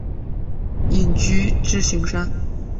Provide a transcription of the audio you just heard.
隐居支硎山。